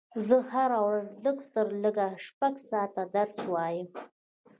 زه هره ورځ لږ تر لږه شپږ ساعته درس وایم